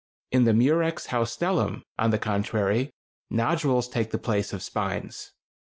In the Murex haustellum, on the contrary, nodules take the place of spines.